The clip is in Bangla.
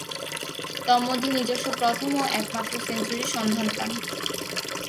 তন্মধ্যে নিজস্ব প্রথম ও একমাত্র সেঞ্চুরির সন্ধান পান।